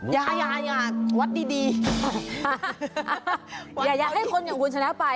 อยากอยากอยากวัดดีอยากให้คนอย่างคุณชนะไป